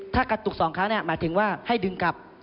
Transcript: ถ้ากระตุก๒ครั้งหมายถึงว่าให้ดึงกลับ